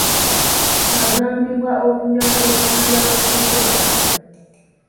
Agambibwa okunyaga ettaka ly’abatuuze bano.